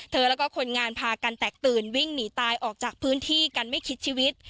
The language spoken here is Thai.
แล้วก็คนงานพากันแตกตื่นวิ่งหนีตายออกจากพื้นที่กันไม่คิดชีวิต